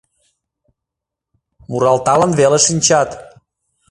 Муралталын веле шинчат.